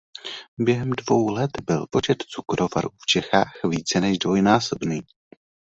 Během dvou let byl počet cukrovarů v Čechách více než dvojnásobný.